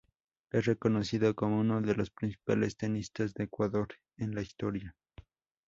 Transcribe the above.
Es reconocido como uno de los principales tenistas de Ecuador en la historia.